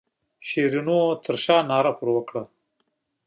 شیرینو تر شایه ناره پر وکړه.